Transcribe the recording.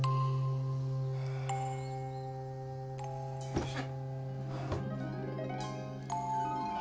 よいしょ。